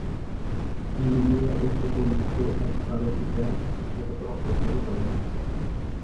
Libya এপর্যন্ত একবারও FIFA বিশ্বকাপে অংশগ্রহণ করেনি।